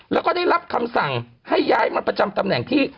แล้วก็ได้รับคำสั่งให้ย้ายมาประจำตำแหน่งที่